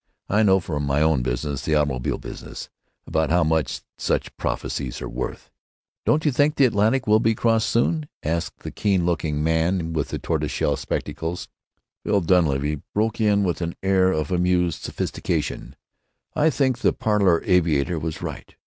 I know from my own business, the automobile business, about how much such prophecies are worth." "Don't you think the Atlantic will be crossed soon?" asked the keen looking man with the tortoise shell spectacles. Phil Dunleavy broke in with an air of amused sophistication: "I think the parlor aviator was right.